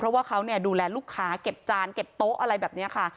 เพราะว่าเขาดูแลลูกค้าเก็บจานเก็บโต๊ะอะไรแบบนี้ค่ะ